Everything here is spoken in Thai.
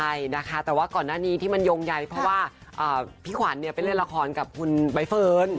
ใช่นะคะแต่ว่าก่อนหน้านี้ที่มันโยงใยเพราะว่าพี่ขวัญไปเล่นละครกับคุณใบเฟิร์น